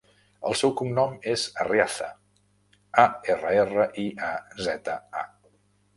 El seu cognom és Arriaza: a, erra, erra, i, a, zeta, a.